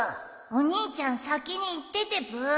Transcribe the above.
お兄ちゃん先に行っててブー